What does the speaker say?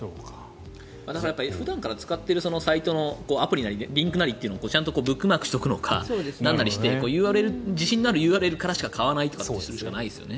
だから普段から使っているサイトのアプリなりリンクなりというのをブックマークしたりとかなんなりして自信のあるＵＲＬからしか買わないとするしかないですよね。